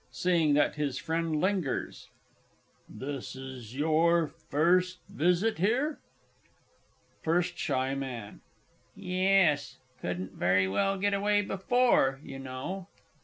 (seeing that his friend lingers). This your first visit here? FIRST S. M. Yes. Couldn't very well get away before, you know.